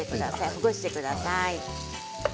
ほぐしてください。